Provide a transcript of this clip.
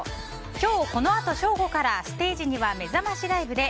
今日このあと正午からステージには、めざましライブで＝